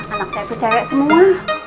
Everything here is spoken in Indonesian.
anak saya itu cewek semua